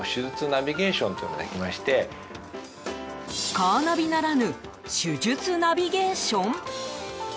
カーナビならぬ手術ナビゲーション？